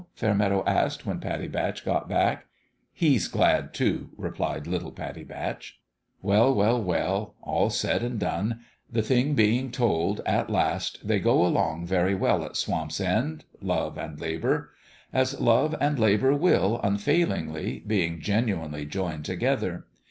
Fairmeadow asked, when Pattie Batch got back. " He's glad, too," replied little Pattie Batch. Well, well, well ! all said and done, the thing being told, at last, they go along very well at Swamp's End love and labour. As love and labour will, unfailingly, being genuinely joined together.